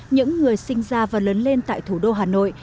những người sinh ra và lớn lên tại thủ đô hà nội